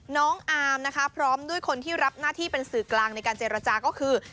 น้องอาร์มนะคะพร้อมด้วยคนที่รับหน้าที่เป็นสื่อกลางในการเจรจาก็คือ